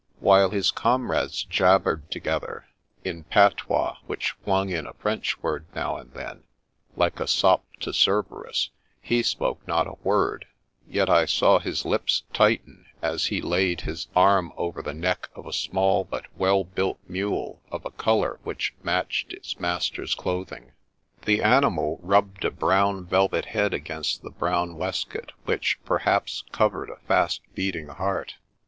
While his comrades jabbered together, in patois which flung in a French word now and then, like a sop to Cerberus, he spoke not a word ; yet I saw his lips tighten, as he laid his arm over the neck of a small but well built mule of a colour which matched its master's clothing. The animal rubbed 90 The Princess Passes a brown velvet head against the brown waistcoat which, perhaps, covered a fast beating heart.